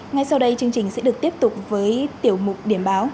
ngay sau đây chương trình sẽ được tiếp tục với tiểu mục điểm báo